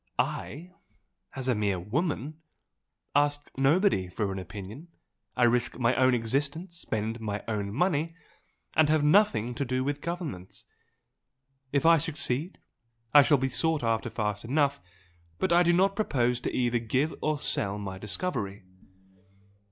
I, as a mere woman, ask nobody for an opinion I risk my own existence spend my own money and have nothing to do with governments. If I succeed I shall be sought after fast enough! but I do not propose to either give or sell my discovery."